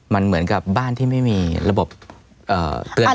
มันเหมือนกับบ้านที่ไม่มีระบบเตือน